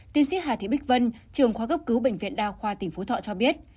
tiến sĩ hà thị bích vân trường khoa gấp cứu bệnh viện đa khoa tỉnh phú thọ cho biết